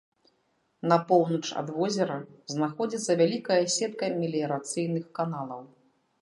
На поўнач ад возера знаходзіцца вялікая сетка меліярацыйных каналаў.